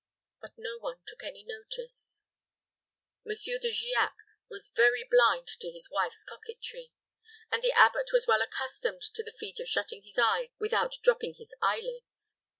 But no one took any notice. Monsieur De Giac was very blind to his wife's coquetry, and the abbot was well accustomed to the feat of shutting his eyes without dropping his eyelids.